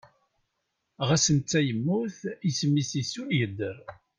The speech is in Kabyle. Ɣas netta yemmut, isem-is isul yedder.